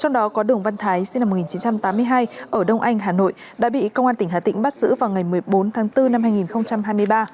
trong đó có đường văn thái sinh năm một nghìn chín trăm tám mươi hai ở đông anh hà nội đã bị công an tỉnh hà tĩnh bắt giữ vào ngày một mươi bốn tháng bốn năm hai nghìn hai mươi ba